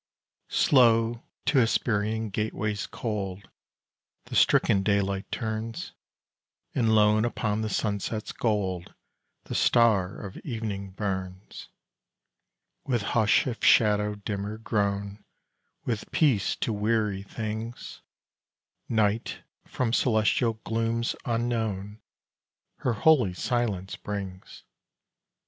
Slow to Hesperian gateways cold The stricken daylight turns, And lone upon the sunset's gold The star of evening burns. With hush of shadow dimmer grown, With peace to weary things, Night, from celestial glooms unknown, Her holy silence brings.